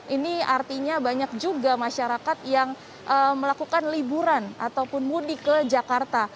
ini artinya banyak juga masyarakat yang melakukan liburan ataupun mudik ke jakarta